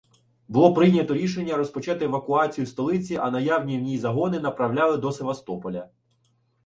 Було прийнято рішення розпочати евакуацію столиці, а наявні у ній загони направити до Севастополя.